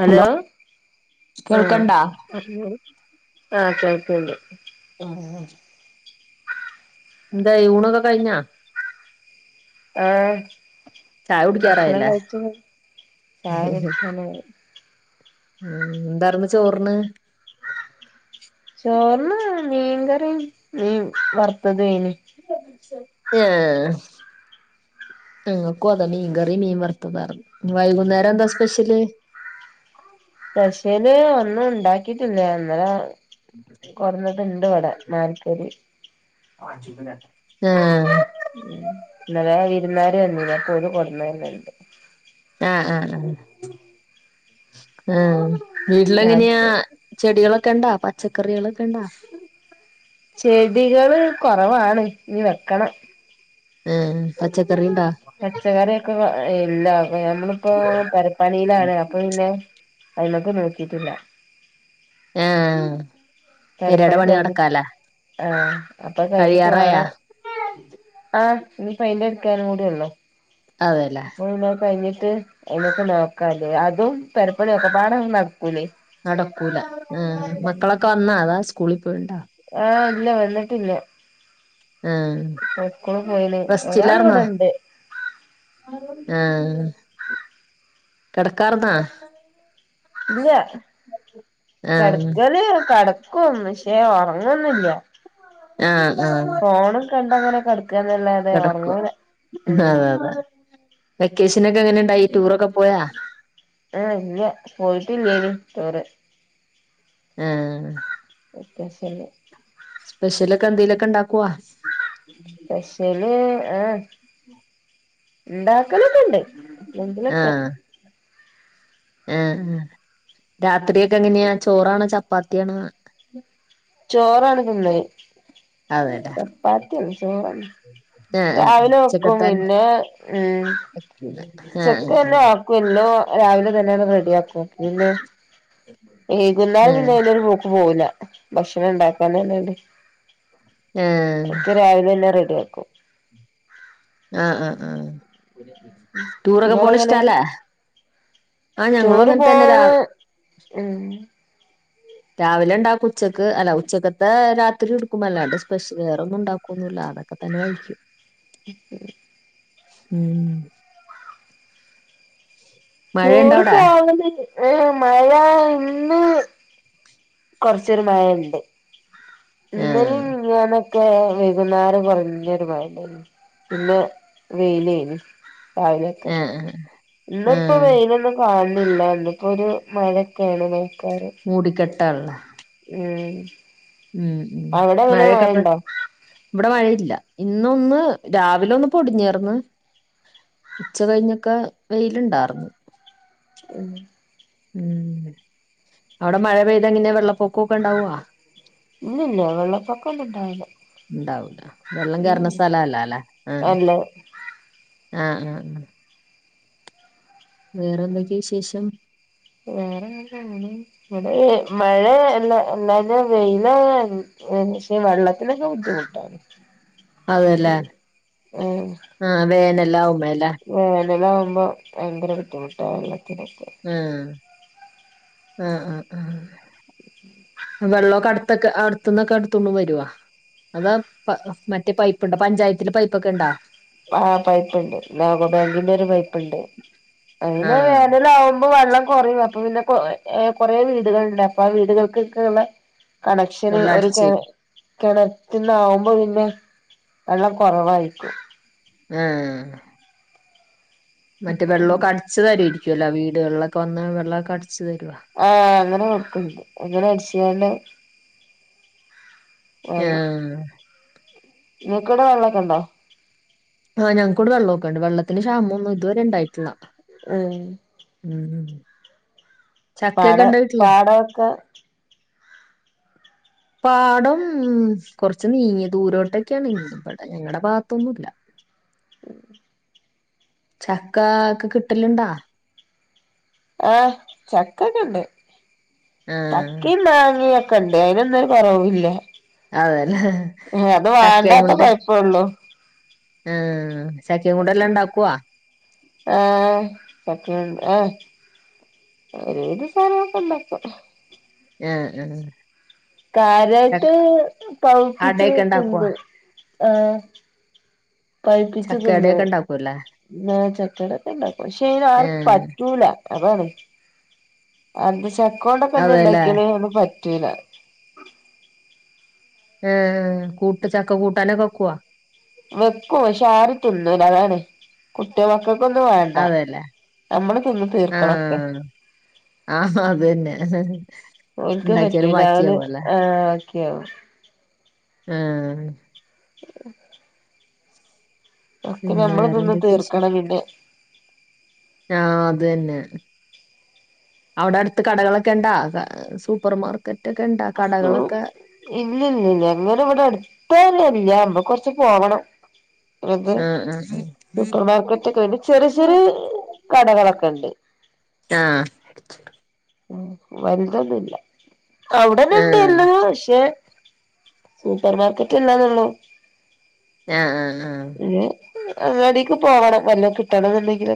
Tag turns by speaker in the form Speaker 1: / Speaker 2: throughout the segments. Speaker 1: Hello ആഹ്
Speaker 2: കേൾക്കണ്ടാ
Speaker 1: പറഞ്ഞോളൂ ആ കേൾ ക്ക്ണ്ട്
Speaker 2: ആഹ് എന്തായി ഊണൊക്കെ കഴിഞ്ഞാ?
Speaker 1: ആഹ്
Speaker 2: ചായ
Speaker 1: ഭക്ഷണം
Speaker 2: കുടിക്കാറായല്ലേ
Speaker 1: കഴിച്ച് ചായ കുടിക്കാനായി.
Speaker 2: ഉം എന്താർന്ന് ചോറ്ന്?
Speaker 1: ചോർന്ന് മീൻകറീം മീൻവറ്ത്ത്വതേനി
Speaker 2: ആഹ് ഞങ്ങക്ക്വതാ മീൻകറിം മീൻവർത്തതാർന്ന്. വൈകുന്നേരെന്താ സ്പെഷ്യല്?
Speaker 1: സ്പെഷ്യല് ഒന്നുണ്ടാക്കിട്ടില്ല ഇന്നലെ കൊട്ന്നത് ണ്ട് വടെ മാൽ പ്പൊരി.
Speaker 2: ആഹ്
Speaker 1: ഉം ഇന്നലെ വിര്ന്നാര് വന്നിനിം അപ്പൊല് കൊട്ന്നെനെണ്ട്.
Speaker 2: ആഹ് വീട്ടിലെങ്ങന്യാ
Speaker 1: നേര്ത്തെ
Speaker 2: ചെടികളൊ ക്കെണ്ടാ പച്ചക്കറികളൊക്കെണ്ടാ?
Speaker 1: ചെടികള് കൊറവാണ് ഇഞ് വെക്കണം.
Speaker 2: ആഹ് പച്ച
Speaker 1: പച്ചക്കറ്യൊക്കെ ഏഹ് ഇല്ലാ ഏഹ് ഞമ്മളിപ്പോ പെരപ്പണീലാണ് അപ്പൊ പിന്നെ അയ്മക്ക് നോക്കിട്ടില്ല.
Speaker 2: ആഹ്
Speaker 1: പെരപ്പണികഴിഞ് ആഹ് അപ്പൊ അത് കഴിഞ്ഞിട്ട്
Speaker 2: കഴിയാറായാ
Speaker 1: വാണം ആഹ് ഇഞ് പെയ്ൻ്റടിക്കാനും കൂട്യൊളളൂ.
Speaker 2: അതെല്ലേ
Speaker 1: അപ്പോ പിന്നെ അത് കഴിഞ്ഞിട്ട് അയ്‌മെക്ക് നോക്കാല്ലേ അതും പെരിപ്പണ്യൊക്കപാടൊന്നും നട
Speaker 2: നടക്കൂല ആഹ് മക്കളൊക്കെ വന്ന അതാ സ്കൂളി പോയിണ്ടാ?
Speaker 1: ആഹ് ഇല്ല വന്നിട്ടില്ല.
Speaker 2: ആ
Speaker 1: സ്കൂള് പോയിന് ഒരാൾ ഇവിടെ ഇണ്ട്.
Speaker 2: ആഹ് കെടക്കാർന്നാ?
Speaker 1: ഇല്ല
Speaker 2: ആഹ്
Speaker 1: കെടക്കല് കെട ക്കും പക്ഷേ ഒറങ്ങൊന്നില്ല.
Speaker 2: ആഹ്. ആഹ്
Speaker 1: ഫോണും കണ്ടങ്ങനെ കെടക്കന്നല്ലാതെ
Speaker 2: കെടക്കും
Speaker 1: ഒറങ്ങുല ഉം.
Speaker 2: അതെ അതെ വെക്കേഷനൊക്കെ എങ്ങനെ ഉണ്ടായി ടൂറൊക്കെ പോയാ
Speaker 1: ആഹ് ഇല്ല്യ പോയിട്ടില്ല്യേനി ടൂറ്
Speaker 2: ഏഹ്.
Speaker 1: ക്കെ ശല്ല.
Speaker 2: സ്പെഷ്യലൊക്കെ എന്തേലൊക്കെ ഇണ്ടാക്കുവാ.
Speaker 1: പെഷ്യല് ഏഹ് ഇണ്ട ക്കലക്കണ്ട് എന്തെലൊക്കെ.
Speaker 2: ഏഹ് രാത്രി ഒക്കെ എങ്ങനെയാ ചോറാണോ ചപ്പാത്തിയാണോ?
Speaker 1: ചോറാണ് തിന്നത് ചപ്പാത്തിയല്ല ചോറ്
Speaker 2: ഉ [unintelligible]
Speaker 1: രാവിലെ വെക്കും പിന്നെ ഉം
Speaker 2: പറ്റൂല ആഹ്
Speaker 1: ചക്ക്
Speaker 2: ആഹ്
Speaker 1: തന്നെ ആക്കുമല്ലോ രാവിലെ തന്നെയണ് റെഡി ആ അ പിന്നെ കുന്നൽ
Speaker 2: ആഹ്
Speaker 1: പിന്നെലരു പോക്ക് പോവില്ല. ഭക്ഷണം ഉണ്ടാക്കൻന്നണ്ട്
Speaker 2: ആഹ്
Speaker 1: ഒക്കെ രാവിലെ തന്നെ റ ഡിയാക്കും.
Speaker 2: ആഹ് ആഹ് ആഹ് ടൂറൊക്കെ പോണ്
Speaker 1: നിങ്ങളെങ്ങനെ
Speaker 2: ഇഷ്ടല്ലേ?
Speaker 1: ടൂറ് പോവൻ ഉം.
Speaker 2: രാവിലെ ഉണ്ടാക്കും ഉച്ചക്ക് അല്ല ഉച്ചക്കത്തെ രാത്രി എടുക്കുമ്പോ അല്ലാണ്ട് സ്പെഷ്യൽ വേറ ഒന്നും ഉണ്ടാക്കും ഒന്നുല്ല. അതൊക്കെ തന്നെ കഴിക്കു. ഉം. മഴയുണ്ടോ
Speaker 1: റ്റൂറ്
Speaker 2: അവിടെ
Speaker 1: പോന്നത് ഏ മഴ ഇന്ന് കൊറച്ചൊര് മഴുയുണ്ട്
Speaker 2: ആഹ്
Speaker 1: ഇന്നലേം ഇങ്ങൊട്ട് പ്പൊ വെകുന്നേരം വല്ല്യൊരു മഴണ്ടാർന്ന് പിന്നെ വെയിലേനി രാവിലെയൊക്കെ
Speaker 2: ആഹ ആഹ്
Speaker 1: ഇന്നിപ്പോ
Speaker 2: ആഹ്
Speaker 1: വെയിലൊന്നും കാണുന്നില്ല ഇിന്നിപ്പോ ഒരു മഴക്കോളും പോലെ
Speaker 2: മൂടിക്കെട്ടാണല്ലെ
Speaker 1: ഉം
Speaker 2: ഉം ഉം
Speaker 1: അവിടെ എങ്ങനെ
Speaker 2: മഴയൊക്കെ പ്പെ
Speaker 1: മഴണ്ടോ
Speaker 2: ഇവിടെ മഴയില്ല ഇന്നൊന്ന് രാവിലെയൊന്ന് പൊടിഞ്ഞാർന്ന് ഉച്ച കഴിഞ്ഞൊക്കെ വെയിലുണ്ടാർന്ന്
Speaker 1: ഉം
Speaker 2: ഉം അവിടെ മഴ പെയ്താ എങ്ങനെയാ വെള്ളപ്പൊക്കൊക്കെ ഉണ്ടാകുവോ
Speaker 1: ഉം വെള്ളപ്പൊക്കൊന്നും ഉണ്ടാവില്ല
Speaker 2: ഉണ്ടാവൂല വെള്ളം കേറണ സ്ഥലം അല്ലാല്ലെ ആ
Speaker 1: അല്ല
Speaker 2: ആഹ് ആഹ് വേറെന്തൊക്കെയ വിശേഷം
Speaker 1: വറെ എന്താ ഇവിടെ ഇവിടെ മഴ അല്ല എന്തായാലും വെയില ആവാണ് ഏ പക്ഷെ വെള്ളത്തിനൊക്കെ ബുദ്ധിമുട്ടാണ്
Speaker 2: അതേല്ലേ
Speaker 1: ഉം
Speaker 2: ആ വേനല്ലാവുമ്പല്ലേ
Speaker 1: അങ്ങനെ വരുമ്പോ ഭയങ്കര ബുദ്ധിമുട്ടാണ്
Speaker 2: ആഹ് ആഹ് ആഹ് ആഹ് അ വെള്ളോക്കെ അടു ത്തൊക്കെ അടുത്തന്നൊക്കെ എടുത്തോണ്ട്‌ വരുവാ അതാ പ മറ്റേ പൈപ്പുണ്ടോ പഞ്ചായത്തിന്റെ പൈപ്പൊക്കെ ഇണ്ടോ
Speaker 1: ആ പൈപ്പുണ്ട് നാ വ വെളിലൊരു പൈപ്പുണ്ട് അയിന്
Speaker 2: ആഹ്
Speaker 1: വേനല ആവുമ്പോ വെള്ള കൊറെയും അപ്പൊ പിന്നെ കുറെ വീടുകളുണ്ട് അപ്പൊ ആ വീടുകൾക്കൊക്കെയ ഉള്ള കണക്ഷന്
Speaker 2: വെള്ളം
Speaker 1: ഒരു
Speaker 2: അടിച്ച്
Speaker 1: കെ കിണറ്റന്ന് ആവുമ്പോ പിന്നെ വെള്ളം കൊറവായിരിക്കും.
Speaker 2: ആഹ്. മറ്റേ വെള്ളമൊക്കെ അടച്ച് തരെരിക്കല്ലോ വീടുകളിലൊക്കെ വെള്ളമൊക്കെ വന്ന് വെള്ളമൊക്കെ അടിച്ചു തരുവാ
Speaker 1: ആഹ് അങ്ങനെ കൊടുക്കണ്ട് അങ്ങനെ അടിച്ച്കാണ്ട്
Speaker 2: യാഹ്.
Speaker 1: നിക്കിവിടെ വെള്ളമൊക്കെ ഇണ്ടോ?
Speaker 2: ആഹ് ഞങ്ങക്കൂടെ വെള്ളമൊക്കെയുണ്ട് വെള്ളത്തിന് ക്ഷാമ ഒന്നും ഇതുവരെ ഉണ്ടായിട്ടില്ല.
Speaker 1: ഈം.
Speaker 2: ഉം
Speaker 1: പാട
Speaker 2: ചക്കയൊക്കെ ഉണ്ടോ വീട്ടില്
Speaker 1: പാടവോക്കെ
Speaker 2: പാടം കൊറച്ച് നീങ്ങിയ ദൂരോട്ടൊക്കെയാണ് ഇവടെ ഞങ്ങളുടെ ഭാഗത്തൊന്നുല്ല. [inaudible]
Speaker 1: ഉം
Speaker 2: ചക്ക ഒക്കെ കിട്ടലണ്ടാ
Speaker 1: ആ ചക്ക ഒക്കെണ്ട്
Speaker 2: ആഹ്
Speaker 1: ചക്കയും മാങ്ങയും കണ്ടേ അതിനൊന്നും കു പറവില്ല
Speaker 2: അതേല്ലേ ചക്കയും
Speaker 1: വേണ്ടാത്ത
Speaker 2: കൊണ്ട്
Speaker 1: കൊഴപ്പള്ളൂ
Speaker 2: ആ ചക്കയും കൊണ്ട് എല്ലാം ഉണ്ടാക്കുവ
Speaker 1: ആ ചക്കയുംആ ഏത് സ്ഥലമൊക്കെ ഉണ്ടപ്പ
Speaker 2: ഉം ഉം
Speaker 1: കാരട്ട്
Speaker 2: അടയൊക്കെ ഉണ്ടാക്കുവാ
Speaker 1: പവിപ്പിച്ചട്ടണ്ട് ആ [unintelligible] പഴപ്പിച്ചു തിന്നു
Speaker 2: ചക്കടയൊക്കെ ഉണ്ടാക്കുവല്ലേ
Speaker 1: എന്ന ചക്കയടൊക്കെ ഉണ്ടാക്കും പക്ഷെ ആർക്ക്
Speaker 2: ആഹ്
Speaker 1: പറ്റൂല അതാണ് അ ചെക്കോണ്ടൊക്കെ എന്താ
Speaker 2: അതേല്ലേ
Speaker 1: ഇണ്ടാക്കിയാലന്ന് പറ്റൂല
Speaker 2: ആ കൂട്ട് ചക്ക കൂട്ടാനെ കെക്കവാ
Speaker 1: വെക്കും പക്ഷെ ആറിട്ടന്നല്ല അതാണ് കുട്ടികൾ ഒക്കെ അവർക്കൊന്നും വേണ്ട
Speaker 2: അതെല്ലേ
Speaker 1: നമ്മള് തിന്ന തീർക്കണൊക്കെ
Speaker 2: ആഹ് ആഹ് അതന്നെ
Speaker 1: ഒരിക്ക
Speaker 2: ഇണ്ടാക്കിയാല്
Speaker 1: പറ്റൂല അവല്
Speaker 2: ബാക്കിയാവൂല്ലേ
Speaker 1: ആ ക [unintelligible]
Speaker 2: ആ
Speaker 1: ഉ
Speaker 2: പിന്നെ
Speaker 1: തിന്ന്
Speaker 2: വേറെന്തൊക്കെ വിശേ
Speaker 1: തീർക്കണം പിന്നെ
Speaker 2: ആ അത് തന്നെ അവിടെ അടുത്ത് കടകളൊക്കെ ഉണ്ടാ സൂപ്പർ മാർക്കറ്റ് ഒക്കെ ഇണ്ടാ കടകളൊക്കെ
Speaker 1: ഇല്ല ഇല്ലല്ല വേറെ ഇവിടെ അടുത്ത് ഇല്ല കൊറച്ച് പോവണം ഇത്
Speaker 2: ആഹ് ആഹ്
Speaker 1: സൂപ്പർമാർക്കറ്റ് ഒക്കെ വേണ്ടി ചെറിയ ചെറിയ കടകളൊക്കെ ഉണ്ട്
Speaker 2: ആഹ്
Speaker 1: വലുതന്നില്ല അവിടന
Speaker 2: ആഹ്
Speaker 1: ഉണ്ടല്ലോ
Speaker 2: ആഹ്
Speaker 1: പക്ഷെ സൂപ്പർമാർക്കറ്റ് ഇല്ലാന്നള്ളു
Speaker 2: ആഹ ആഹ
Speaker 1: അങ്ങാടിക്ക് പോവണം വല്ലതും കിട്ടണ ന്നുണ്ടെങ്കിൽ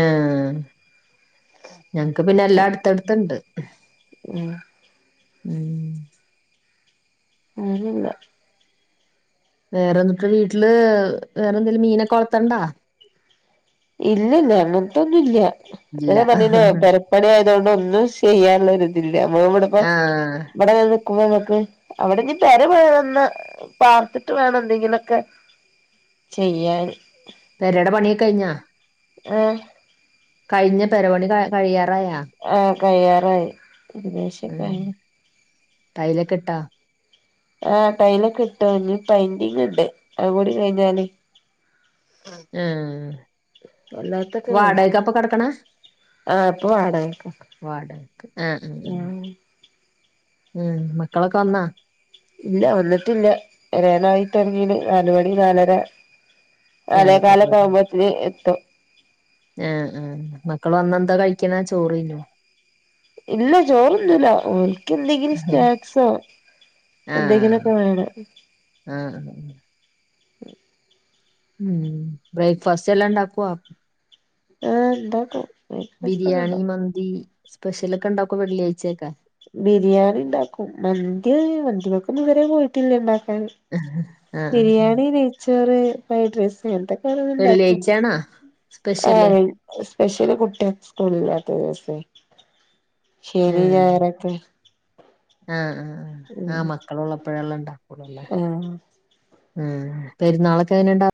Speaker 2: ആഹ ഞങ്ങക്ക് പിന്നെ എല്ലാ അടുത്തടുത്തണ്ട്
Speaker 1: ആ
Speaker 2: ഉം
Speaker 1: അങ്ങനല്ല
Speaker 2: വേറെന്തിട്ട് വീട്ടില് വേറെ എന്തേിലും മീനക്കെ വളർത്തുന്നുണ്ടെ
Speaker 1: ഇല്ലല്ല അങ്ങനത്തൊന്നുംല്ല
Speaker 2: ഇല്ല
Speaker 1: നങ്ങനെ പറഞ്ഞില്ലേ പെരപ്പണിയാ [unintelligible] ഒന്നും ചെയ്യാനുള്ള ഇതില്ലമ്മ [unintelligible]
Speaker 2: ആഹ്
Speaker 1: ഇവിടെ ഞങ്ങൾക്ക് അവിടെ ഇനിപെര വാണം പാർത്തിട്ട് വേണം എന്തെങ്കിലൊക്കെ ചെയ്യാൻ
Speaker 2: പെരടെ പണിയൊക്കെ കഴിഞ്ഞാ
Speaker 1: ആഹ
Speaker 2: കഴിഞ്ഞ പെര പണി കഴിയാറായാ
Speaker 1: ആഹ് കഴിയാറായി ഏകദേശക്കായി
Speaker 2: ട്ടൈലൊക്കെ ഇട്ടാ
Speaker 1: ആഹ ട്ടൈലൊക്കെ ഇട്ടു ഇനി പൈന്റിങ് ഉണ്ട് അ തുകൂടി കഴിഞ്ഞാല് അല്ലാത്തൊക്കെ കഴിഞ്ഞു
Speaker 2: ആവാടകക്ക അപ്പൊ കിടക്കണ
Speaker 1: ആഹ് ഇപ്പൊ വാടകക്കാ
Speaker 2: വാടകക്ക് ആ
Speaker 1: ആഹ്
Speaker 2: അമക്കളൊക്കെ വന്നാ
Speaker 1: ഇല്ല വന്നിട്ടില്ല വരനായി തൊടങ്ങിലെ നാല മണി നാലര
Speaker 2: ഒക്കെ
Speaker 1: നാലേകാൽ
Speaker 2: ആവുമ്പത്തേക്ക്
Speaker 1: ഒക്കെആവുമ്പോൾ ക്കിന്ന് എത്തും
Speaker 2: ആഹ ആ മക്കൾ വന്നെന്താ കഴിക്കുന്നാ ചോറിഞ്ഞോ
Speaker 1: ഇല്ല ചോറൊന്നുംല്ല ഒ ാ ൽക്ക എന്തെങ്കിലും
Speaker 2: ആഹ്
Speaker 1: സ്നാക്സോ എന്തെങ്കനൊക്ക
Speaker 2: ആഹ്
Speaker 1: വാ ണം
Speaker 2: [unintelligible]
Speaker 1: ആ
Speaker 2: ഉം ബ്രേക്ഫാസ്റ്റ് എല്ലാണ്ടാക്കോ
Speaker 1: ആ ഇണ്ടാക്കും ബ്രേക്ക്ഫാസ്റ്റ് ഒക്കെ ഇണ്ടാക്കും
Speaker 2: ബിരിയാണി മന്തി സ്പെഷ്യല ഒക്കെ ഉണ്ടക്കോ വെള്ളിയാഴ്ചയക്കെ
Speaker 1: ബിരിയാണി ഉണ്ടാക്കും മന്തി മന്തിമൊക്ക ഇതുവരെ പോയിട്ടില്ലേണ്ട
Speaker 2: ആഹ് ആഹ് ആഹ്
Speaker 1: ബിരിയാണി നെയച്ചോറ് ഫ്രൈഡ് റൈസ് അങ്ങനത്തെൊക്കെ ണ്ടാക്ക
Speaker 2: വെള്ളിയാഴ്ചയാണോ
Speaker 1: ആ
Speaker 2: സ്പെഷ്യല്
Speaker 1: [unintelligible] സ്പെഷ്യലി കുട്ടി സ്കൂളിൽ ശനി
Speaker 2: ആഹ്
Speaker 1: ഞായറെക്കെ
Speaker 2: ആഹ് ആ ആഹ് മക്കള ഉള്ളപ്പോഴെല്ലാംണ്ടാ
Speaker 1: ആഹ
Speaker 2: ഉം പെരുന്നാളൊക്കെ അങ്ങനെയ ഉണ്ട